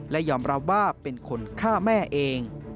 และยอมรับว่าเป็นคนฆ่าแม่เอง